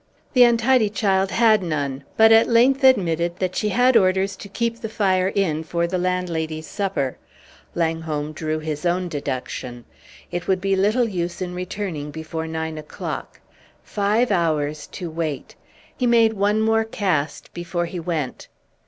The untidy child had none, but at length admitted that she had orders to keep the fire in for the landlady's supper. Langholm drew his own deduction. It would be little use in returning before nine o'clock. Five hours to wait! He made one more cast before he went.